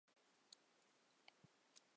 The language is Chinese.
个展于台北春之艺廊。